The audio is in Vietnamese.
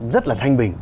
rất là thanh bình